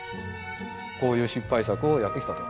こういう失敗作をやってきたと。